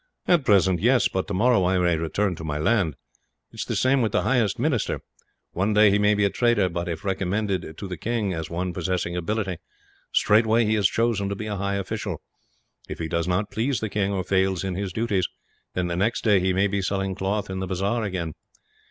"At present, yes; but tomorrow I may return to my land. It is the same with the highest minister. One day he may be a trader but, if recommended to the king as one possessing ability, straightway he is chosen to be a high official. If he does not please the king, or fails in his duties, then the next day he may be selling cloth in the bazaar again.